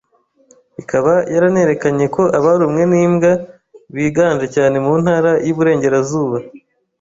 ikaba yaranerekanye ko abarumwe n’imbwa biganje cyane mu Ntara y’Iburengerazuba